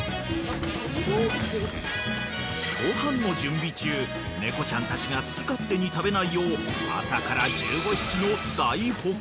［ご飯の準備中猫ちゃんたちが好き勝手に食べないよう朝から］